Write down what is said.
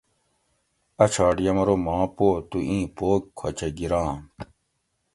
اۤ چھاٹ یمرو ما پو تو ایں پوگ کھوچہ گیرانت